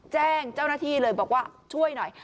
แจ้งเจ้าหน้าที่เลยบอกว่าช่วยหน่อย